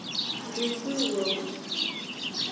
Rikuy wawki